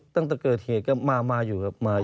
ตั้งแต่เกิดเหตุก็มาอยู่ครับมา